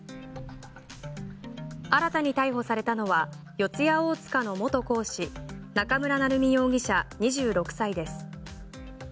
新たに逮捕されたのは四谷大塚の元講師中村成美容疑者、２６歳です。